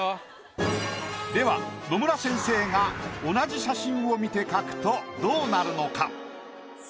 では野村先生が同じ写真を見て描くとどうなるのか？